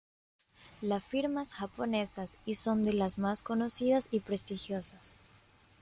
La firmas japonesas y son de las más conocidas y prestigiosas.